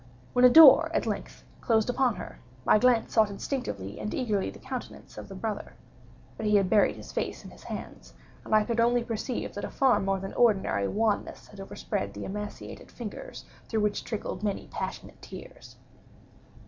When a door, at length, closed upon her, my glance sought instinctively and eagerly the countenance of the brother—but he had buried his face in his hands, and I could only perceive that a far more than ordinary wanness had overspread the emaciated fingers through which trickled many passionate tears.